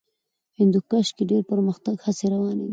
هندوکش کې د پرمختګ هڅې روانې دي.